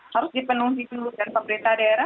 harus dipenuhi dulu dari pemerintah daerah